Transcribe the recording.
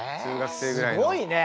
すごいね！